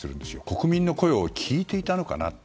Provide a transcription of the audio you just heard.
国民の声を聴いていたのかなと。